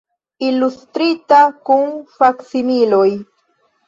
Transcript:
Ilustrita, kun faksimiloj.